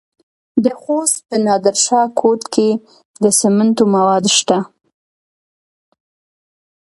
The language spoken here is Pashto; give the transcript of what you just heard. د خوست په نادر شاه کوټ کې د سمنټو مواد شته.